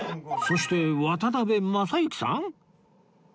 そして渡辺正行さん！？